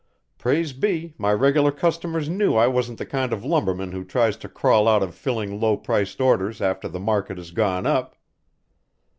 Praise be, my regular customers knew I wasn't the kind of lumberman who tries to crawl out of filling low priced orders after the market has gone up.